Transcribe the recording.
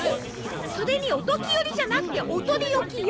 それに「おときより」じゃなくて「お取り置き」よ！